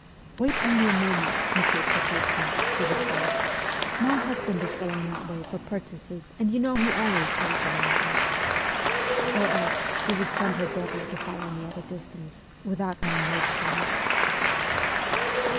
'Wait only a moment, Monsieur Kropotkin,' she would say ;' my husband is going that way for purchases, and you know he always carries a lantern !' Or else she would send her brother to follow me at a distance, without my noticing it.